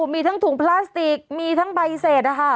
มีทั้งถุงพลาสติกมีทั้งใบเศษนะคะ